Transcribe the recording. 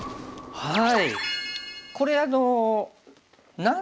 はい。